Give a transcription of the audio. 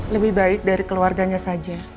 lebih baik dari keluarganya saja